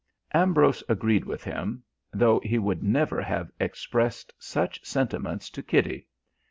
Ambrose agreed with him, though he would never have expressed such sentiments to Kitty.